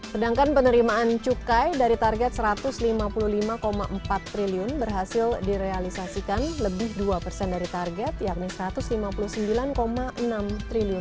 sedangkan penerimaan cukai dari target rp satu ratus lima puluh lima empat triliun berhasil direalisasikan lebih dua persen dari target yakni rp satu ratus lima puluh sembilan enam triliun